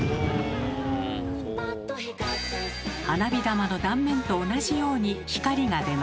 花火玉の断面と同じように光が出ます。